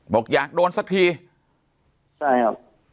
บอกอยากโดนสักทีใช่ครับ